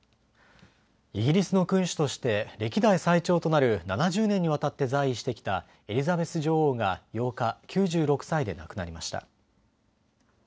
イギリスの君主として歴代最長となる７０年にわたって在位してきたエリザベス女王が８日、９６歳で亡くなりました。